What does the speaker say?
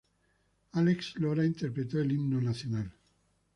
Alex Lora interpretó el himno nacional.